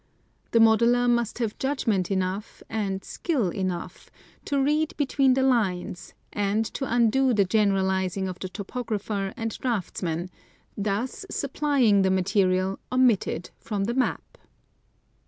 The modeler must have judgment enough and skill enough to read between the lines, and to undo the generalizing of the topographer and draughtsman, thus supplying the material omitted from the map.